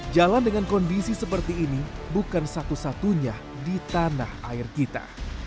jalan dengan kondisi seperti ini bukan satu satunya di tanah air kita